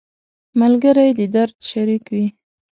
ملګری د درد شریک وي